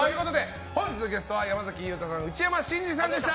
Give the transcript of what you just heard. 本日のゲストは山崎裕太さんと内山信二さんでした。